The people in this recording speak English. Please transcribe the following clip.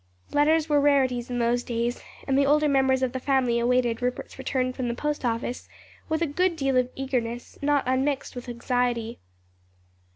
Letters were rarities in those days, and the older members of the family awaited Rupert's return from the post office with a good deal of eagerness, not unmixed with anxiety.